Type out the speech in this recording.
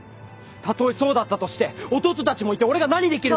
たとえそうだったとして弟たちもいて俺が何できるって。